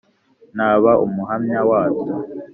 naba umuhamya wabyo